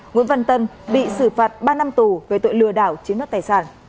nguyễn văn tân bị xử phạt ba năm tù về tội lừa đảo chiếm đất tài sản